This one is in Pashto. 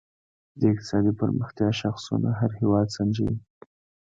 د اقتصادي پرمختیا شاخصونه هر هېواد سنجوي.